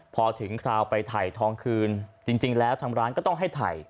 พอถึงคราวไปถ่ายทองคืนจริงแล้วทางร้านก็ต้องให้ถ่าย